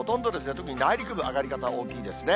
特に内陸部、上がり方大きいですね。